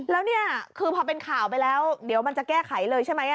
แล้วนี่คือพอเป็นข่าวไปแล้วเดี๋ยวมันจะแก้ไขเลยใช่ไหม